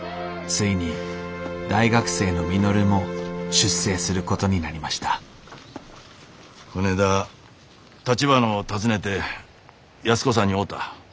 ついに大学生の稔も出征することになりましたこねえだたちばなを訪ねて安子さんに会うた。